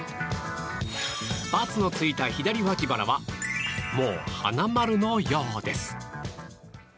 ×のついた左脇腹はもう花丸のようです。